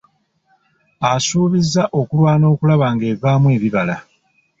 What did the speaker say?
Asuubizza okulwana okulaba ng'evaamu ebibala.